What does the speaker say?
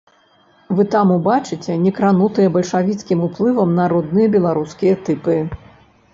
Вы там убачыце не кранутыя бальшавіцкім уплывам народныя беларускія тыпы.